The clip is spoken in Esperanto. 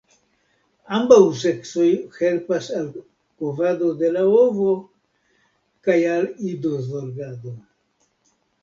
Ambaŭ seksoj helpas al kovado de la ovo, kaj al idozorgado.